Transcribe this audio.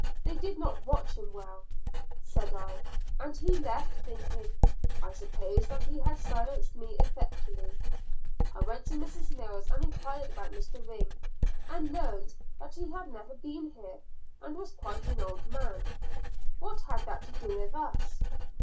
"They did not watch him well," said I, and he left, thinking, I suppose, that he had silenced me effectually. I went to Mrs. Mills, and enquired about Mr. Ring, and learned that he had never been here, and was quite an old man. What had that to do with us?